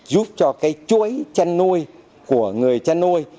giúp cho cái chuỗi chăn nuôi của người chăn nuôi